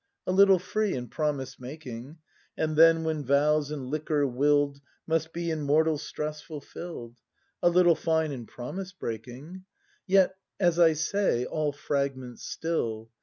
A little free in promise making; And then, when vows in liquor will'd Must be in mortal stress fulfill'd, A little fine in promise breaking. Yet, as I say, all fragments still.